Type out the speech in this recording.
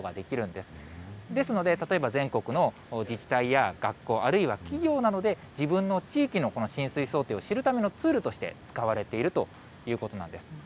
ですので例えば全国の自治体や学校、あるいは企業などで自分の地域の浸水想定を知るためのツールとして使われているということなんです。